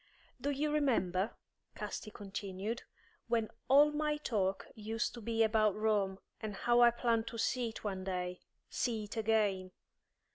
"Do you remember," Casti continued, "when all my talk used to be about Rome, and how I planned to see it one day see it again.